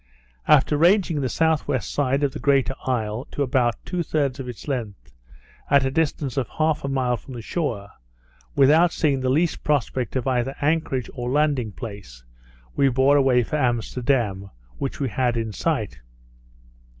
After ranging the S.W. side of the greater isle, to about two thirds of its length, at the distance of half a mile from the shore, without seeing the least prospect of either anchorage or landing place, we bore away for Amsterdam, which we had in sight.